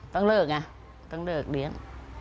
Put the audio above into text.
ต้องเลิกไงต้องเลิกเลี้ยง